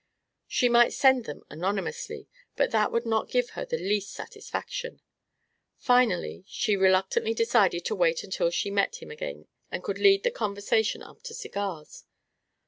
She might send them anonymously, but that would not give her the least satisfaction. Finally, she reluctantly decided to wait until she met him again and could lead the conversation up to cigars.